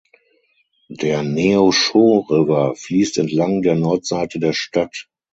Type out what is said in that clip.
Der Neosho River fließt entlang der Nordseite der Stadt.